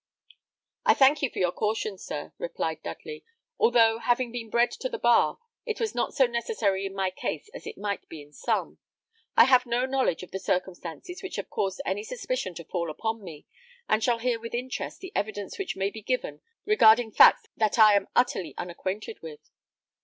"I thank you for your caution, sir," replied Dudley; "although, having been bred to the bar, it was not so necessary in my case as it might be in some. I have no knowledge of the circumstances which have caused any suspicion to fall upon me, and shall hear with interest the evidence which may be given regarding facts that I am utterly unacquainted with."